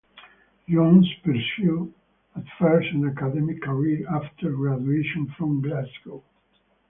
Jones pursued at first an academic career after graduation from Glasgow.